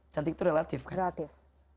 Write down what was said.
cantik itu relatif kan